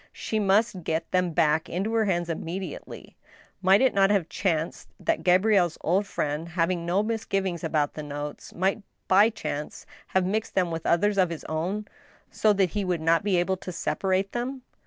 She must get them back into her hands immedi ately. Might it not have chanced that Gabrielle's old friend, having no misgivings about the notes, might by chance have mixed them with others of his own, so that he would not be able to separate them